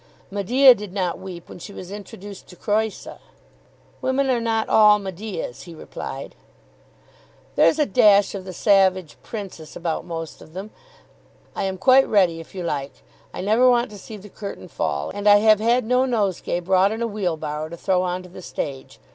"Medea did not weep when she was introduced to Creusa." "Women are not all Medeas," he replied. "There's a dash of the savage princess about most of them. I am quite ready if you like. I never want to see the curtain fall. And I have had no nosegay brought in a wheelbarrow to throw on to the stage.